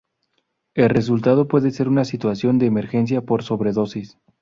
El resultado puede ser una situación de emergencia por sobredosis.